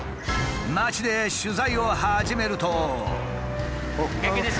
町で取材を始めると。